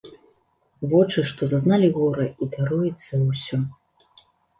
Вочы, што зазналі гора і даруюць за ўсё.